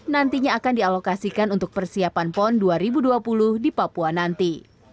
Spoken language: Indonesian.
nantinya akan dialokasikan untuk persiapan pon dua ribu dua puluh di papua nanti